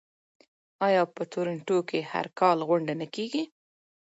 آیا په تورنټو کې هر کال غونډه نه کیږي؟